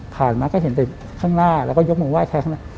ผ่านมาก็เห็นตรงข้างหน้าแล้วก็ยกมงว่ายแท้ข้างหน้า